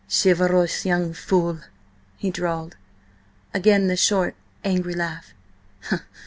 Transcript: "Chivalrous young fool," he drawled. Again the short, angry laugh.